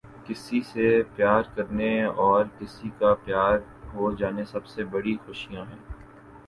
کسی سے پیار کرنا اور کسی کا پیار ہو جانا سب سے بڑی خوشیاں ہیں۔